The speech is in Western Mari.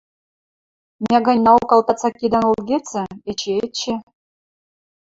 Мӓ ганьнаок алтаца кидӓн ылгецӹ, эче-эче...